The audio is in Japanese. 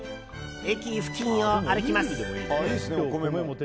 駅付近を歩きます。